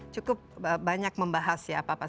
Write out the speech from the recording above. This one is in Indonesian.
cukup banyak membahas ya apa apa